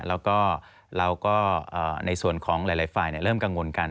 แล้วก็เราก็ในส่วนของหลายฝ่ายเริ่มกังวลกัน